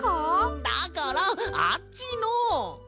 んだからあっちの。